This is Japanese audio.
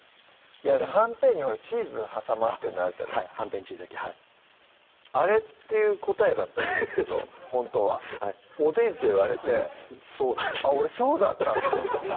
はんぺんにチーズ挟まってるのあるじゃないですかはいはんぺんチーズ焼きはいあれっていう答えだったんですけどほんとは「おでん」って言われてそうだというあっ俺そうだったって